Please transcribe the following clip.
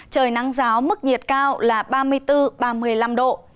trời nắng giáo mức nhiệt cao là ba mươi bốn ba mươi năm độ